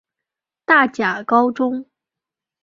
大甲高中